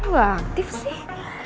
wah aktif sih